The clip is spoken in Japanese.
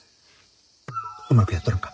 うまくやっとるんか？